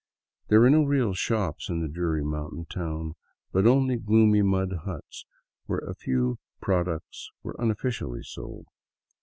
There were no real shops in the dreary mountain town, but only gloomy mud huts where a few products were unofficially sold.